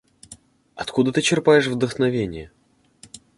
Откуда ты черпаешь вдохновение?